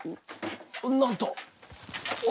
なんと！